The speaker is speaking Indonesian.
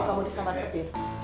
mau kamu disamber kecil